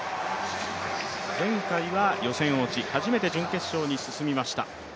前回は予選落ち、初めて準決勝に進みました。